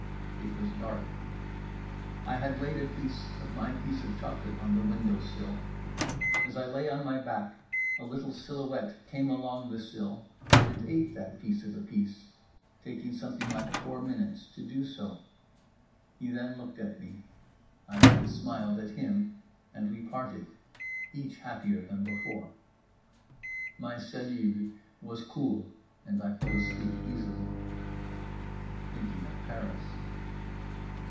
It was dark. I had laid a piece of my piece of chocolate on the window sill. As I lay on my back a little silhouette came along the sill and ate that piece of a piece, taking something like four minutes to do so. He then looked at me, I then smiled at him, and we parted, each happier than before. My cellule was cool, and I fell asleep easily. (Thinking of Paris.)